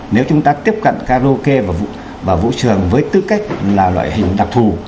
nếu chúng ta tiếp cận karaoke và vũ trường với tư cách là loại hình đặc thù